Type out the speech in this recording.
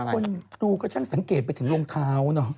คนดูก็ช่างสังเกตไปถึงรองเท้าเนอะ